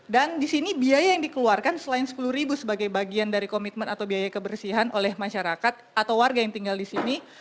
dan disini biaya yang dikeluarkan selain sepuluh ribu sebagai bagian dari komitmen atau biaya kebersihan oleh masyarakat atau warga yang tinggal disini